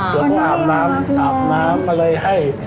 ทำร้านเสร็จเดี๋ยวพ่ออาบน้ำอาบน้ำอะไรให้